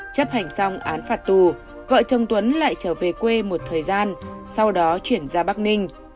chấp hành xong án phạt tù vợ chồng tuấn lại trở về quê một thời gian sau đó chuyển ra bắc ninh